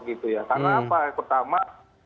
karena apa pertama